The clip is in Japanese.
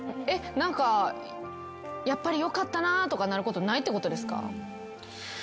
やっぱりよかったなとかなることないってことですか？